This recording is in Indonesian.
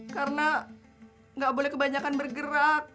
karena gak boleh kebanyakan bergerak